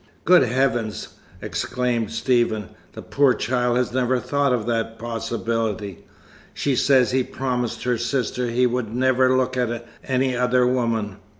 "Good Heavens!" exclaimed Stephen. "The poor child has never thought of that possibility. She says he promised her sister he would never look at any other woman."